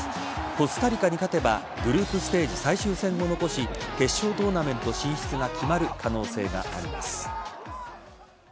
コスタリカに勝てばグループステージ最終戦を残し決勝トーナメント進出が決まる可能性があります。